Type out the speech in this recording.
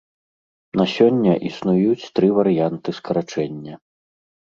На сёння існуюць тры варыянты скарачэння.